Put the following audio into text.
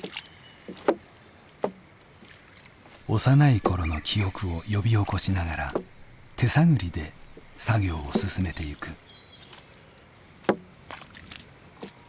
幼い頃の記憶を呼び起こしながら手探りで作業を進めていく。